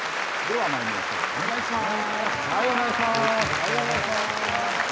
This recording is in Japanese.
はいお願いします。